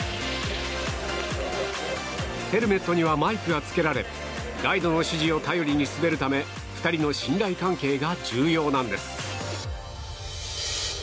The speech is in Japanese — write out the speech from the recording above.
ヘルメットにはマイクがつけられガイドの指示を頼りに滑るため２人の信頼関係が重要なんです。